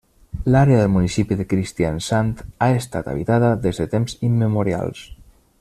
L'àrea del municipi de Kristiansand ha estat habitada des de temps immemorials.